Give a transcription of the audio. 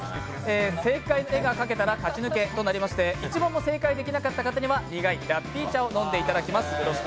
正解の絵が描けたら勝ち抜けとなりまして、１問も正解できなかった方には苦いラッピー茶を飲んでいただきます。